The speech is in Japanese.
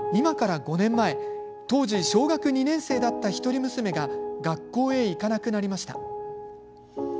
今から５年前当時、小学２年生だった一人娘が学校へ行かなくなりました。